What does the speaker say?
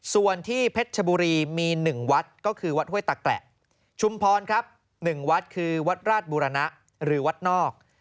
ส่วนที่เพชรชบุรีมี๑วัดก็คือวัดห้วยตะแกละชุมพรครับ๑วัดคือวัดราชบุรณะหรือวัดนอก